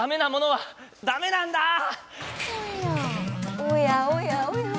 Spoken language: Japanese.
おやおやおや。